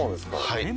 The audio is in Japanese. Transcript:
はい。